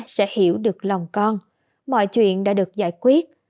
con tin mẹ ở nơi xa sẽ hiểu được lòng con mọi chuyện đã được giải quyết